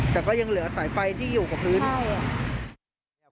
แต่ก็ยังเหลือแสไฟที่อยู่กับมื้นใช่